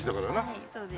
はいそうです。